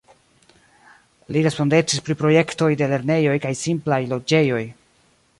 Li respondecis pri projektoj de lernejoj kaj simplaj loĝejoj.